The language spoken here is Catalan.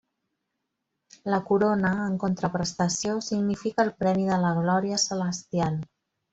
La corona, en contraprestació, significa el premi de la glòria celestial.